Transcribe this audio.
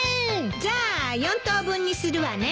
じゃあ４等分にするわね。